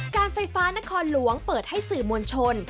การไฟฟ้านครหลวงเปิดให้สื่อมวลชน